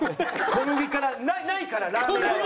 小麦からないからラーメン屋は。